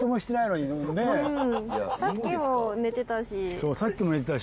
そうさっきも寝てたし。